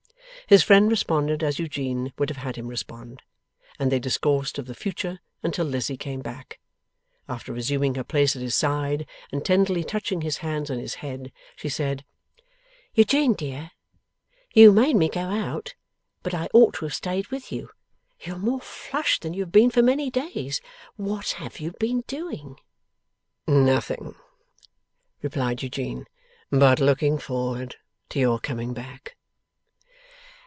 His friend responded as Eugene would have had him respond, and they discoursed of the future until Lizzie came back. After resuming her place at his side, and tenderly touching his hands and his head, she said: 'Eugene, dear, you made me go out, but I ought to have stayed with you. You are more flushed than you have been for many days. What have you been doing?' 'Nothing,' replied Eugene, 'but looking forward to your coming back.